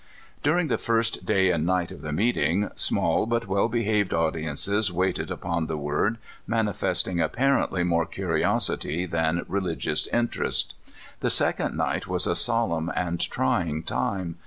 During the first day and night of the meeting, small but well behaved audiences waited upon the word, manifesting apparently more curiosity than religious interest. The second night was a solemn and trying time.